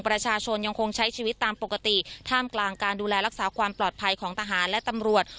ประชาชนยังคงใช้ชีวิตตามปกติท่ามกลางการดูแลรักษาความปลอดภัยของทหารและตำรวจ